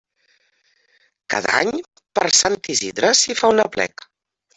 Cada any per Sant Isidre s'hi fa un aplec.